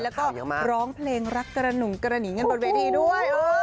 แล้วก็ร้องเพลงรักกระหนุ่งกระหนีกันบนเวทีด้วย